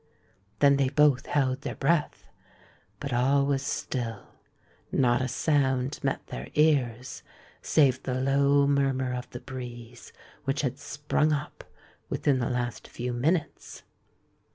Then they both held their breath;—but all was still—not a sound met their ears, save the low murmur of the breeze which had sprung up within the last few minutes.